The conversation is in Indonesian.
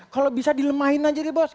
kalau bisa dilemahin aja deh bos